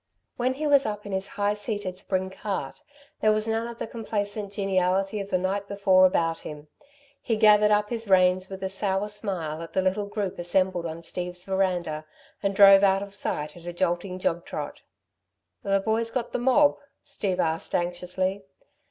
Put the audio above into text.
When he was up in his high seated spring cart, there was none of the complaisant geniality of the night before about him. He gathered up his reins with a sour smile at the little group assembled on Steve's verandah and drove out of sight at a jolting jog trot. "The boys got the mob?" Steve asked anxiously.